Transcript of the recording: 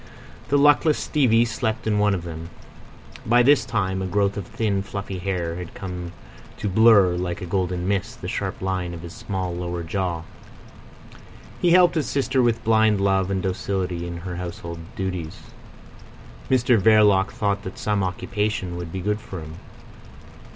The luckless Stevie slept in one of them. By this time a growth of thin fluffy hair had come to blur, like a golden mist, the sharp line of his small lower jaw. He helped his sister with blind love and docility in her household duties. Mr Verloc thought that some occupation would be good for him.